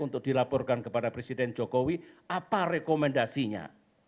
untuk dilaporkan kepada presiden jokowi apa rekomendasinya